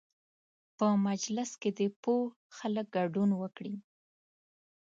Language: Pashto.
په مجلس کې دې پوه خلک ګډون وکړي.